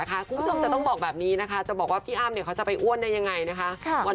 คุณผู้ชมจะต้องบอกแบบนี้นะคะจะบอกว่าพี่อ้ำเขาจะไปอ้วนได้ยังไงนะคะ